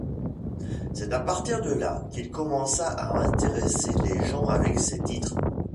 C'est à partir de là qu'il commença à intéresser les gens avec ses titres.